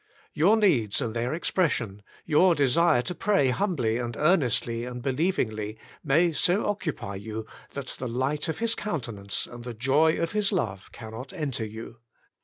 Your needs and their expression, your desire to pray humbly and ear nestly and believingly, may so occupy you, that The Door Shut — Alone with God 17 the light of His countenance and the joy of His love cannot enter you.